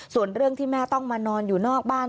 ส่วนเรื่องที่แม่ต้องมานอนอยู่นอกบ้าน